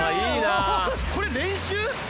これ練習！？